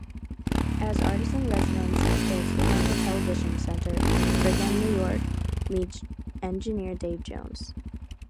As artist-in-residence at the Experimental Television Center, Binghamton, New York, meets engineer Dave Jones.